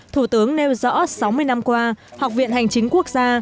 thủ tướng nêu rõ sáu mươi năm qua học viện hành chính quốc gia